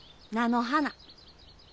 菜の花。